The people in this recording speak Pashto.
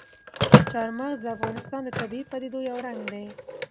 چار مغز د افغانستان د طبیعي پدیدو یو رنګ دی.